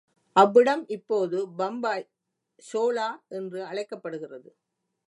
அவ்விடம் இப்போது பம்பாய் ஷோலா என்று அழைக்கப்படுகிறது.